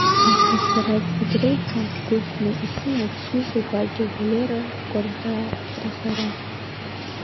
Аха сара зегь реиҳа гәыхьны исымоуп сҩыза гәакьа Валера Кәартаа иҭахара.